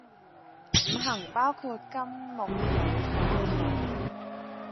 五行包括金木水火土